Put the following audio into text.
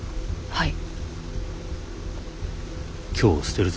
はい。